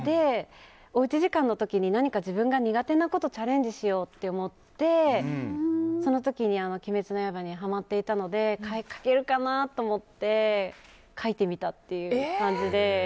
おうち時間の時に何か自分が苦手なことにチャレンジしようと思ってその時に「鬼滅の刃」にハマっていたので描けるかなと思って描いてみたっていう感じで。